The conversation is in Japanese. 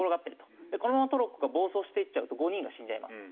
このままトロッコが暴走していっちゃうと５人が死んじゃいますと。